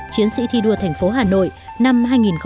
chiến sĩ thi đua thành phố hà nội năm hai nghìn một mươi chín